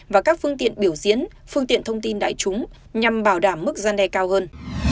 và các phương tiện biểu diễn phương tiện thông tin đại chúng nhằm bảo đảm mức gian đe cao hơn